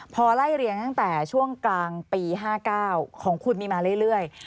พอไล่เรียงตั้งแต่ช่วงกลางปี๕๙ของคุณมีมาเรื่อย